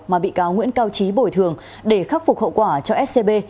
mà bị cáo nguyễn cao trí bồi thường để khắc phục hậu quả cho scb